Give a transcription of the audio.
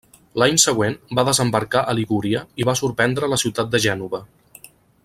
L'any següent va desembarcar a Ligúria i va sorprendre la ciutat de Gènova.